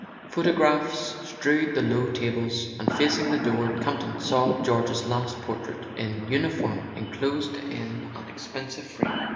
Photographs strewed the low tables; and facing the door Campton saw George's last portrait, in uni¬ form, enclosed in an expensive frame.